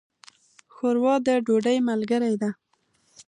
ښوروا د ډوډۍ ملګرې ده.